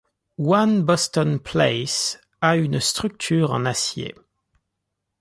One Boston Place a une structure en acier.